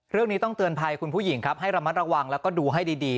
เรื่องนี้ต้องเตือนภัยคุณผู้หญิงครับให้ระมัดระวังแล้วก็ดูให้ดี